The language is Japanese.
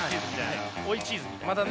追いチーズみたいな。